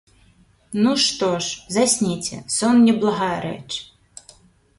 Ну, што ж, засніце, сон не благая рэч.